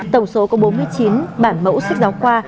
tổng số có bốn mươi chín bản mẫu sách giáo khoa